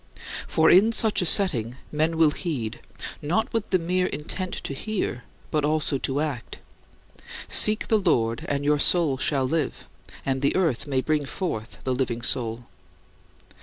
For in such a setting, men will heed, not with the mere intent to hear, but also to act. Seek the Lord and your soul shall live and "the earth" may bring forth "the living soul."